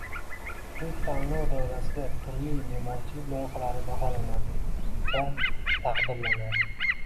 Bu tanlov doirasida turli me’morchilik loyihalari baholanadi va taqdirlanadi.